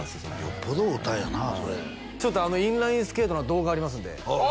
よっぽど合うたんやなそれちょっとインラインスケートの動画ありますんであっ！